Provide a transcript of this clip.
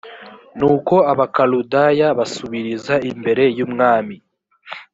nuko abakaludaya basubiriza imbere y umwami